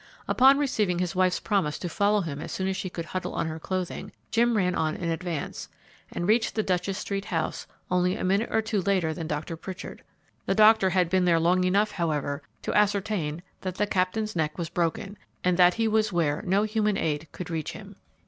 Upon receiving his wife's promise to follow him as soon as she could huddle on her clothing, Jim ran on in advance, and reached the Duchess street house, only a minute or two later than Dr. Pritchard. The doctor had been there long enough, however, to ascertain that the Captain's neck was broken, and that he was where no human aid could reach him.